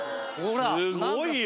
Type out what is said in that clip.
すごいよ。